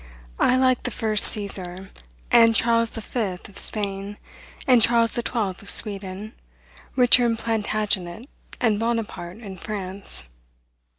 I like the first Caesar; and Charles V., of Spain; and Charles XII., of Sweden; Richard Plantagenet; and Bonaparte, in France.